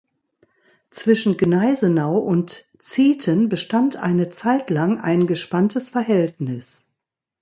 Zwischen Gneisenau und Zieten bestand eine Zeitlang ein gespanntes Verhältnis.